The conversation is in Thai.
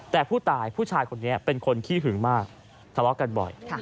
แต่ผู้ตายผู้ชายคนนี้เป็นคนขี้หึงมากทะเลาะกันบ่อย